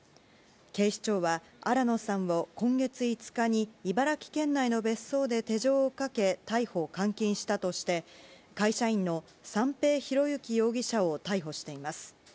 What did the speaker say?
警視庁は、新野さんを今月５日に茨城県内の別荘で手錠をかけ、逮捕監禁したとして、会社員の三瓶博幸容疑者を逮捕しています。